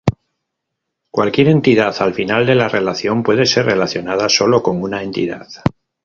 Cualquier entidad al final de la relación puede ser relacionada sólo con una entidad.